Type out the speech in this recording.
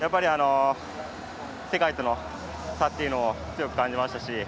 世界との差というのを強く感じましたし。